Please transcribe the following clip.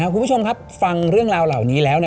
คุณผู้ชมครับฟังเรื่องราวเหล่านี้แล้ว